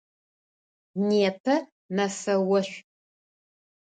Непэ мэфэ ошӏу.